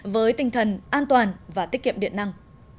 với tinh thần an toàn và tiết kiệm điện năng